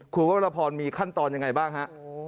คุณวรพรมีขั้นตอนยังไงบ้างฮะ